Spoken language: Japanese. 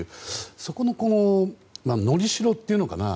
そこののりしろっていうのかな